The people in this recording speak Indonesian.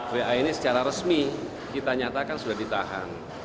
dua ribu sembilan belas va ini secara resmi kita nyatakan sudah ditahan